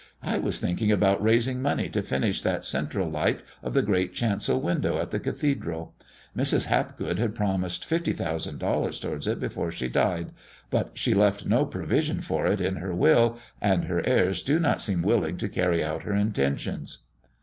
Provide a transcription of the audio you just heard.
"I was thinking about raising money to finish that central light of the great chancel window at the cathedral. Mrs. Hapgood had promised fifty thousand dollars towards it before she died, but she left no provision for it in her will, and her heirs do not seem willing to carry out her intentions."